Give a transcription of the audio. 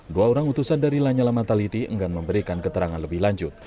dua orang utusan dari lanyala mataliti enggan memberikan keterangan lebih lanjut